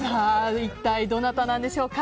一体どなたなんでしょうか。